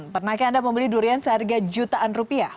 pernahkah anda membeli durian seharga jutaan rupiah